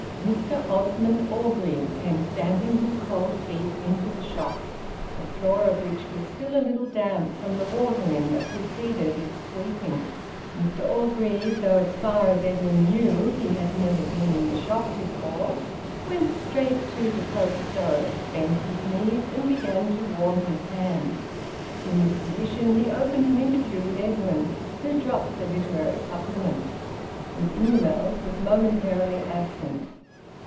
Mr Osmond Orgreave came stamping his cold feet into the shop, the floor of which was still a little damp from the watering that preceded its sweeping. Mr Orgreave, though as far as Edwin knew he had never been in the shop before, went straight to the coke stove, bent his knees, and began to warm his hands. In this position he opened an interview with Edwin, who dropped the Literary Supplement. Miss Ingamells was momentarily absent.